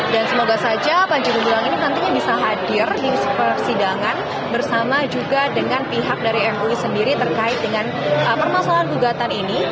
dan semoga saja panjimu bulang ini nantinya bisa hadir di sidangan bersama juga dengan pihak dari mui sendiri terkait dengan permasalahan gugatan ini